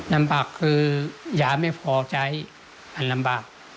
ลำบากคือยาไม่พอใช้อันลำบาก